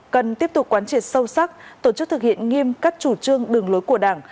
cần tiếp tục quan triệt sâu sắc tổ chức thực hiện nghiêm cắt chủ trương đường lối của đảng